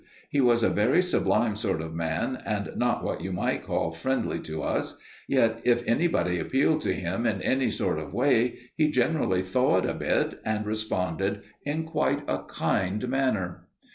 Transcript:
He was a very sublime sort of man and not what you might call friendly to us, yet if anybody appealed to him in any sort of way, he generally thawed a bit and responded in quite a kind manner.